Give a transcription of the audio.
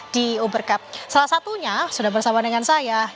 di uber cup salah satunya sudah bersama dengan saya